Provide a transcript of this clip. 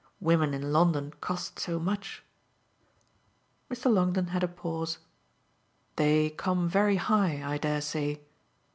Women in London cost so much." Mr. Longdon had a pause. "They come very high, I dare say."